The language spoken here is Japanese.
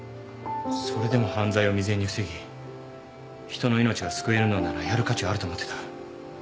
それでも犯罪を未然に防ぎ人の命が救えるのならやる価値はあると思ってた。